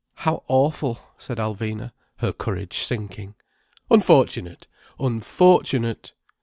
"How awful!" said Alvina, her courage sinking. "Unfortunate! Unfortunate!